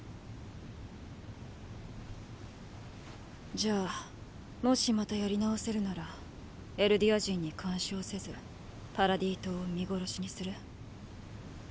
じゃあもしまたやり直せるならエルディア人に干渉せずパラディ島を見殺しにする？